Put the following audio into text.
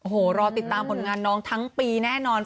โอ้โหรอติดตามผลงานน้องทั้งปีแน่นอน